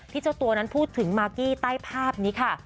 เจ้าตัวนั้นพูดถึงมากกี้ใต้ภาพนี้ค่ะ